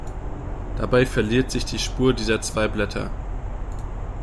Dabei verliert sich die Spur dieser zwei Blätter.